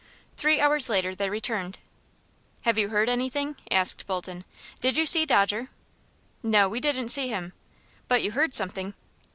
Three hours later they returned. "Have you heard anything?" asked Bolton. "Did you see Dodger?" "No; we didn't see him." "But you heard something?"